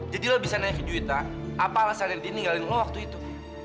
jadi lo bisa nanya ke juwita apa alasan yang dia ninggalin lo waktu itu